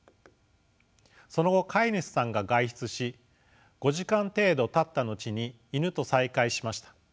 その後飼い主さんが外出し５時間程度たった後にイヌと再会しました。